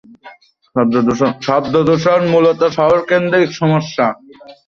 শব্দদূষণ মূলত শহরকেন্দ্রিক সমস্যা।